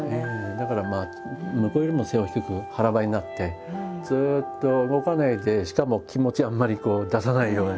だから向こうよりも背を低く腹ばいになってずっと動かないでしかも気持ちはあんまりこう出さないように。